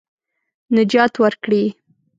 نجات ورکړي.